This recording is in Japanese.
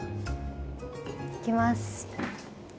いきます。